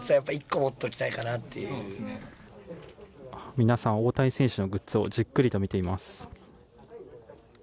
皆さん大谷選手のグッズをじっくりと見ています。